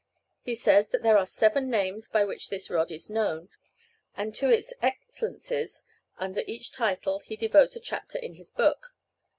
He says that there are seven names by which this rod is known, and to its excellences under each title he devotes a chapter of his book.